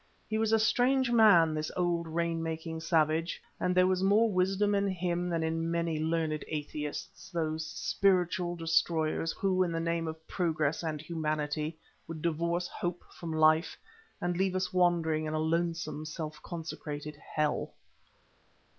He was a strange man, this old rain making savage, and there was more wisdom in him than in many learned atheists—those spiritual destroyers who, in the name of progress and humanity, would divorce hope from life, and leave us wandering in a lonesome, self consecrated hell.